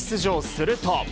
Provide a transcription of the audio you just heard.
すると。